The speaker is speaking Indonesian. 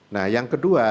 nah yang kedua